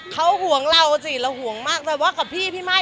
เขาหวงเราซิและห่วงกับพี่ไม่